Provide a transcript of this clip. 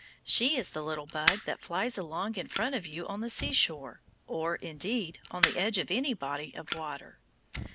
She is the little bug that flies along in front of you on the seashore, or, indeed, on the edge of any body of water.